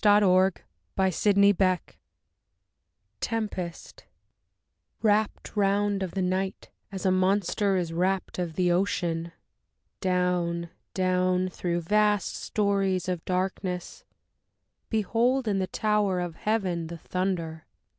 DITHYRAMBICS I Tempest Wrapped round of the night, as a monster is wrapped of the ocean, Down, down through vast storeys of darkness, behold, in the tower Of the heaven, the thunder!